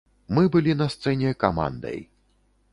Мы былі на сцэне камандай.